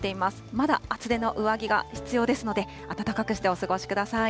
まだ厚手の上着が必要ですので、暖かくしてお過ごしください。